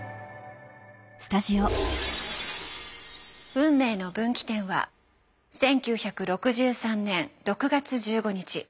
運命の分岐点は１９６３年６月１５日。